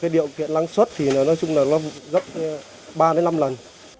điều kiện lăng suất thì nói chung là lăng suất ba năm lần